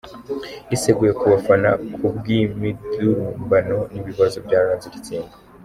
Yiseguye ku bafana ku bw’imidurumbano n’ibibazo byaranze iri tsinda.